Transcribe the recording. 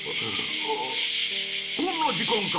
ああこんな時間か！